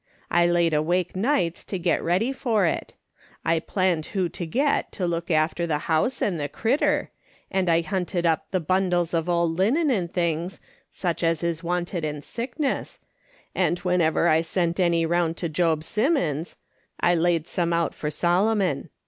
I laid awake nights to get ready for it. I planned wdio to get to look after the house and the critter, and I hunted up the bundles of old linen and things, such as is wanted in sickness, and whenever I sent any round to Job Simmons, I laid some out for Solomon.